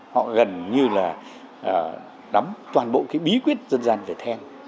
họ gần như là đắm toàn bộ cái bí quyết dân gian về then